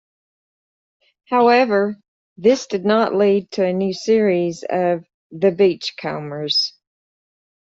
However, this did not lead to a new series of "The Beachcombers".